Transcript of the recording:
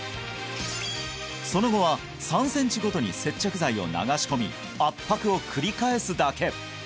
その後は３センチごとに接着剤を流し込み圧迫を繰り返すだけ！